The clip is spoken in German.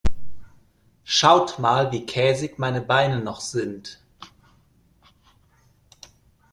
Schaut mal, wie käsig meine Beine noch sind.